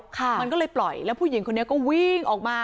ค่ะมันก็เลยปล่อยแล้วผู้หญิงคนนี้ก็วิ่งออกมา